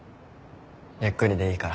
ゆっくりでいいから。